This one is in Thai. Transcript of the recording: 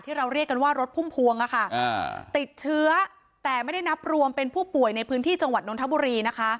เราเรียกกันว่ารถพุ่มพวงติดเชื้อแต่ไม่ได้นับรวมเป็นผู้ป่วยในพื้นที่จังหวัดนทบุรีนะคะ